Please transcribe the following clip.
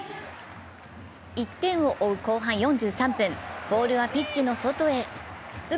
１点を追う後半４３分、ボールはピッチオの外へ。